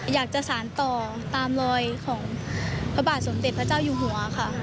อยากจะสารต่อตามรอยของพระบาทสมเด็จพระเจ้าอยู่หัวค่ะ